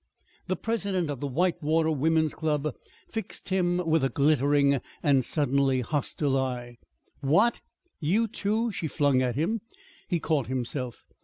The president of the Whitewater Woman's Club fixed him with a glittering and suddenly hostile eye. "What! you too?" she flung at him. He caught himself.